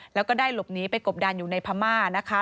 แล้วก็ได้หลบหนีไปกบดันอยู่ในพม่านะคะ